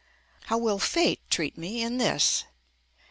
How will fate treat me in this